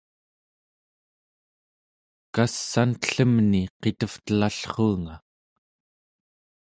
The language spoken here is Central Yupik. kass'antellemni qitevtelallruunga